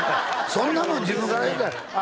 そんなもん自分から言うたらええ